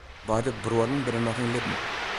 Beide bruorren binne noch yn libben.